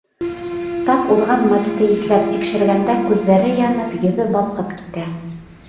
Тап уҙған матчты иҫләп тикшергәндә күҙҙәре янып, йөҙө балҡып китә.